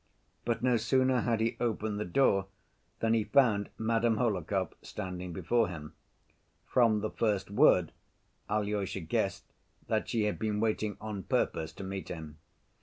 But no sooner had he opened the door than he found Madame Hohlakov standing before him. From the first word Alyosha guessed that she had been waiting on purpose to meet him.